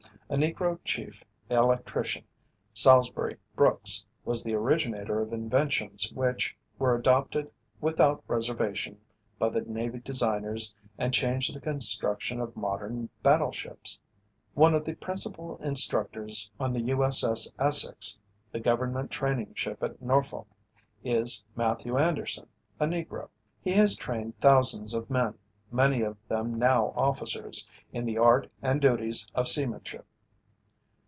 A Negro chief electrician, Salisbury Brooks, was the originator of inventions which were adopted without reservation by the Navy designers and changed the construction of modern battle ships. One of the principal instructors on the U.S.S. Essex, the government training ship at Norfolk, is Matthew Anderson, a Negro. He has trained thousands of men, many of them now officers, in the art and duties of seamanship.